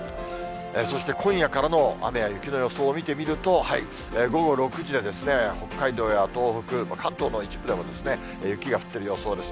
そして今夜からの雨や雪の予想を見てみると、午後６時で北海道や東北、関東の一部でも、雪が降ってる予想です。